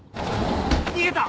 逃げた！